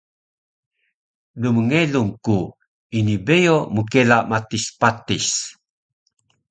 Lmngelung ku ini beyo mkela matis patis